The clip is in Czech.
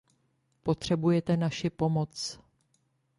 Potřebujete naši pomoc.